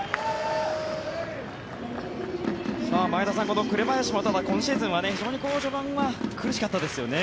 前田さん紅林も、ただ今シーズンは非常に序盤は苦しかったですよね。